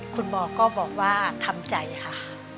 คุณหมอก็บอกว่าทำใจค่ะ